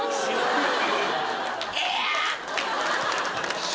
ええやん！